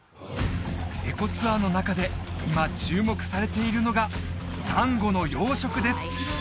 エコツアーの中で今注目されているのがサンゴの養殖です